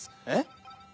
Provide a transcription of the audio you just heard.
えっ？